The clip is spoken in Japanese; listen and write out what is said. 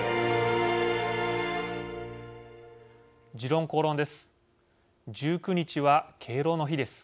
「時論公論」です。